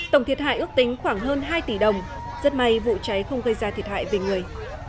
tổng thiệt hại ước tính khoảng hơn hai tỷ đồng rất may vụ cháy không gây ra thiệt hại về người